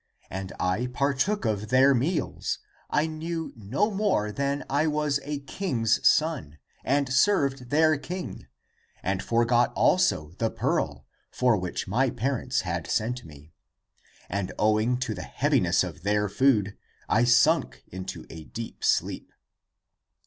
And I partook of their meals. I knew no more than I was a king's son, And served their king, And forgot also the pearl, For which my parents had sent me, And owing to the heaviness of their food I sunk into a deep sleep.